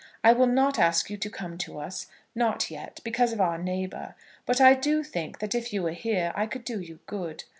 I will not ask you to come to us, not yet, because of our neighbour; but I do think that if you were here I could do you good.